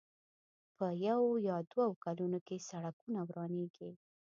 په يو يا دوو کلونو کې سړکونه ورانېږي.